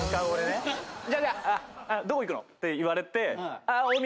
「『じゃあ』どこ行くの？って言われて『あ大宮大宮』」